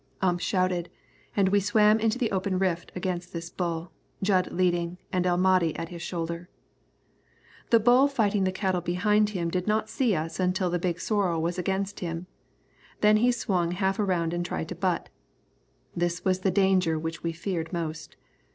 Ump shouted, and we swam into the open rift against this bull, Jud leading, and El Mahdi at his shoulder. The bull fighting the cattle behind him did not see us until the big sorrel was against him. Then he swung half around and tried to butt. This was the danger which we feared most.